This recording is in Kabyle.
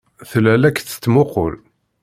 Tella la k-tettmuqqul.